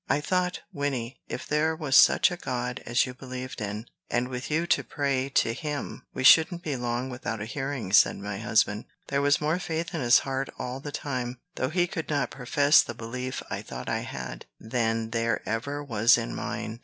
"I thought, Wynnie, if there was such a God as you believed in, and with you to pray to him, we shouldn't be long without a hearing," said my husband. There was more faith in his heart all the time, though he could not profess the belief I thought I had, than there ever was in mine.